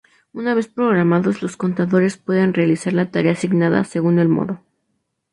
Una vez programados, los contadores pueden realizar la tarea asignada según el modo.